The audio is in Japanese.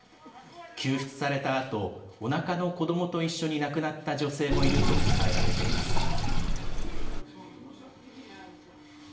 救出されたあと、おなかの子どもと一緒に亡くなった女性もいると伝えられています。